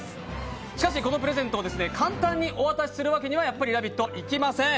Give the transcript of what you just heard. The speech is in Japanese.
しかしこのプレゼント簡単にお渡しするわけには「ラヴィット！」、いきません。